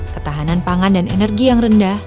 ketahanan pangan dan energi yang rendah